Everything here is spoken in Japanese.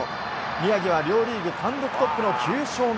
宮城は両リーグ単独トップの９勝目。